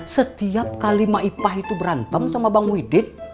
setiap kali maipah itu berantem sama bang muhyiddin